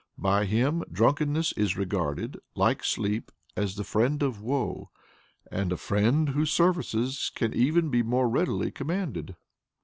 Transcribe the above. By him drunkenness is regarded, like sleep, as the friend of woe and a friend whose services can be even more readily commanded.